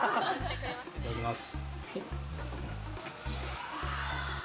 いただきます。